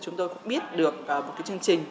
chúng tôi cũng biết được một cái chương trình